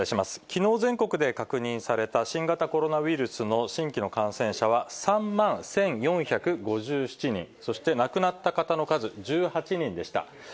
きのう全国で確認された新型コロナウイルスの新規の感染者は３万１４５７人、そして亡くなった方の数、１８人でした。